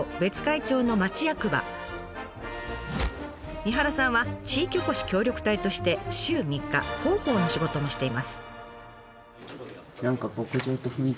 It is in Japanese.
三原さんは地域おこし協力隊として週３日広報の仕事もしています。